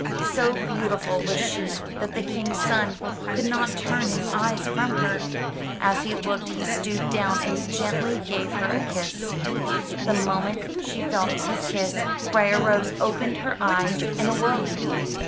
So beautiful was she that the King's son could not turn his eyes from her. As he looked, he stooped down and gently gave her a kiss. The moment she felt his kiss. Briar rose opened her eyes and awoke.